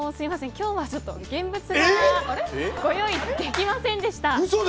今日は現物がご用意できませんでした。